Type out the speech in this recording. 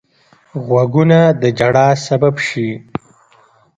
غوږونه د ژړا سبب شي